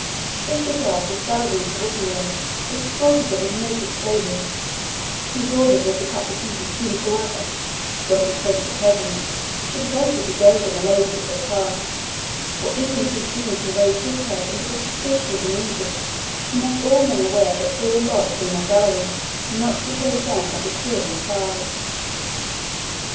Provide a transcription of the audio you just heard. Fifty guards of Saladin's seraglio escorted them with naked sabres, whose orders were to cut to pieces whomsoever, were he prince or peasant, should venture to gaze on the ladies as they passed, or even presume to raise his head until the cessation of the music should make all men aware that they were lodged in their gallery, not to be gazed on by the curious eye.